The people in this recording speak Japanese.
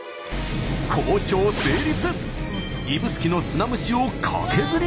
交渉成立。